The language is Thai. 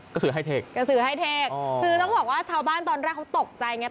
สือให้เทคกระสือให้เทคคือต้องบอกว่าชาวบ้านตอนแรกเขาตกใจไง